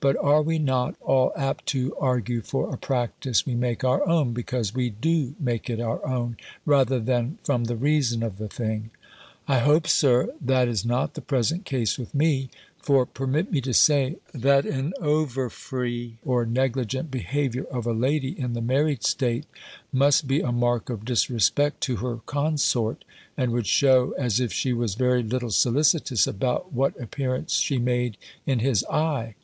But are we not all apt to argue for a practice we make our own, because we do make it our own, rather than from the reason of the thing?" "I hope, Sir, that is not the present case with me; for, permit me to say, that an over free or negligent behaviour of a lady in the married state, must be a mark of disrespect to her consort, and would shew as if she was very little solicitous about what appearance she made in his eye.